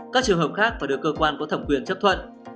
các trường hợp khác phải được cơ quan có thẩm quyền chấp thuận